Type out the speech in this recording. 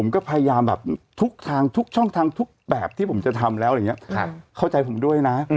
ก็บางคนไม่เข้าใจก็จะด่าว่า